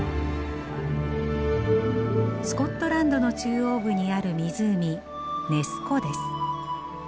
スコットランドの中央部にある湖ネス湖です。